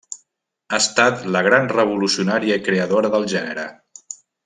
Ha estat la gran revolucionària i creadora del gènere.